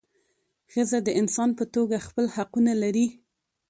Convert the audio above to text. ښځه د انسان په توګه خپل حقونه لري.